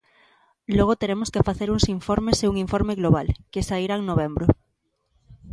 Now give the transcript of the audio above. Logo teremos que facer uns informes e un informe global, que sairá en novembro.